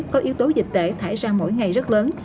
có yếu tố dịch tễ thải ra mỗi ngày rất lớn